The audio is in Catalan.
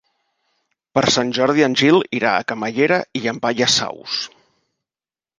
Per Sant Jordi en Gil irà a Camallera i Llampaies Saus.